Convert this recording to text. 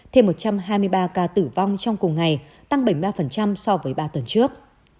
thêm một trăm hai mươi ba ca tử vong trong cùng ngày tăng bảy mươi ba so với ba tuần trước